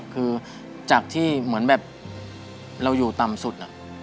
คือจากที่เหมือนแบบเราอยู่ต่ำสุด